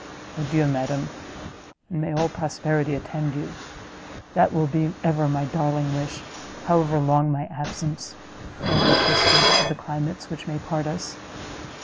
Adieu, madam! and may all prosperity attend you! That will be ever my darling wish, however long my absence, however distant the climates which may part us!"